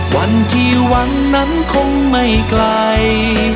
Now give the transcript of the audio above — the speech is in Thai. วันที่หวังนั้นคงไม่ไกล